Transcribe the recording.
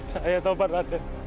saya tobat raden